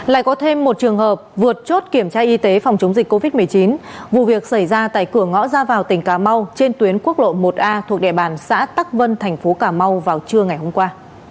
lại có thêm một trường hợp vượt chốt kiểm tra y tế phòng chống dịch covid một mươi chín vụ việc xảy ra tại cửa ngõ ra vào tỉnh cà mau trên tuyến quốc lộ một a thuộc địa bàn xã tắc vân thành phố cà mau vào trưa ngày hôm qua